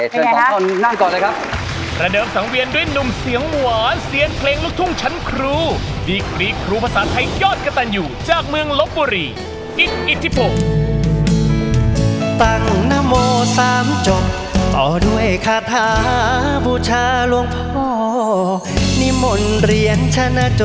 ช่วยสองคนนั่งก่อนเลยครับ